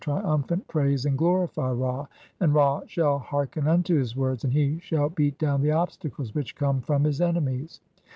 "Nu, triumphant, praise and glorify Ra, and Ra shall hearken "unto his words, and he shall beat down the obstacles which "come from his enemies.